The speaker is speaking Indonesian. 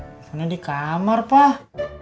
teleponnya di kamar pak